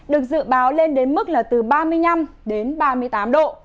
được dự báo lên đến mức là từ ba mươi năm đến ba mươi tám độ